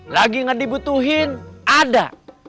lagi nggak dibutuhin ada